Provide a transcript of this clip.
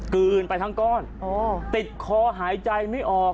ืนไปทั้งก้อนติดคอหายใจไม่ออก